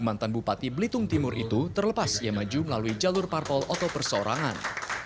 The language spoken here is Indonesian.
mantan bupati belitung timur itu terlepas ia maju melalui jalur parpol atau perseorangan